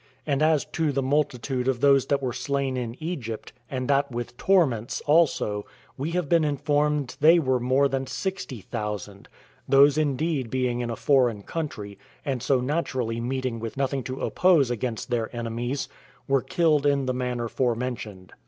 And as to the multitude of those that were slain in Egypt, and that with torments also, we have been informed they were more than sixty thousand; those indeed being in a foreign country, and so naturally meeting with nothing to oppose against their enemies, were killed in the manner forementioned.